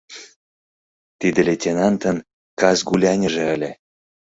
Тиде лейтенантын кас гуляньыже ыле.